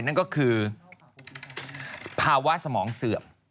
นั่นก็คือภาวะสมองเสื่อม